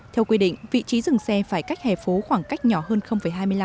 theo quy định vị trí dừng xe phải cách hẻ phố khoảng cách nhỏ hơn hai mươi năm m